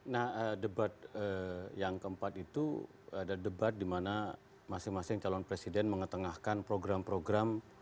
nah debat yang keempat itu ada debat di mana masing masing calon presiden mengetengahkan program program